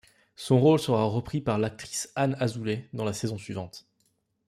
Son rôle sera reprit par l'actrice Anne Azoulay dans la saison suivante.